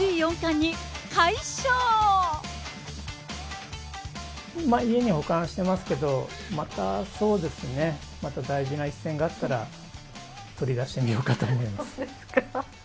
今は家に保管してますけど、また、そうですね、また大事な一戦があったら取り出してみようかと思います。